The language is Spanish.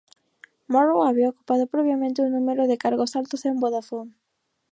Morrow había ocupado previamente un número de cargos altos en Vodafone.